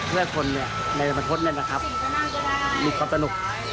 เพื่อให้คนในประเทศมีความสนุก